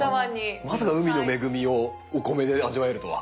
まさかまさか海の恵みをお米で味わえるとは。